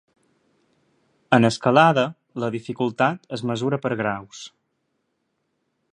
En escalada la dificultat es mesura per graus.